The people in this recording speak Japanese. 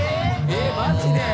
えっマジで？